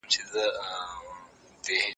ځمکپوهنه يو نوی علم وګرځېد.